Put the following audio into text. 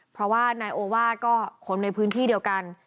เพราะว่านายโอวาสก็คนในพื้นที่เดียวกัน